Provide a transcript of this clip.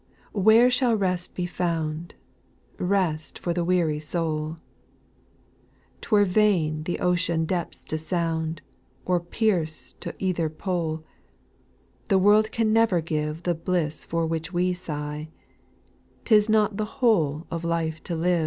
where shall rest be found, \J Rest for the weary soul ? 'T were vain the ocean depths to sound, Or pierce to either pole ; The world can never give The bliss for which we sigh ; *Ti9 not the loliole o^ \\^^Vo\v?